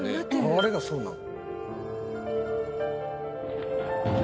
あれがそうなん？